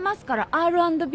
Ｒ＆Ｂ。